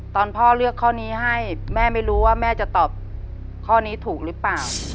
ตอนพ่อเลือกข้อนี้ให้แม่ไม่รู้ว่าแม่จะตอบข้อนี้ถูกหรือเปล่า